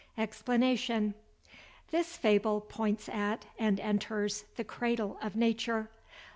EXPLANATION.—This fable points at, and enters, the cradle of nature.